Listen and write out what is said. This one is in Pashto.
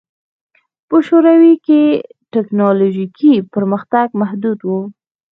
په شوروي کې ټکنالوژیکي پرمختګ محدود و